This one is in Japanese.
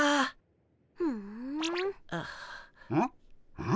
うん？